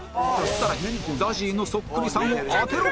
更に ＺＡＺＹ のそっくりさんを当てろ！